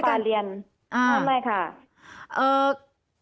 เพราะปลาเรียนไม่ได้ค่ะ